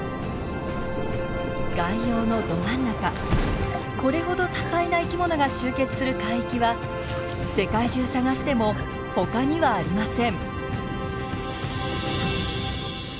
外洋のど真ん中これほど多彩な生きものが集結する海域は世界中探してもほかにはありません。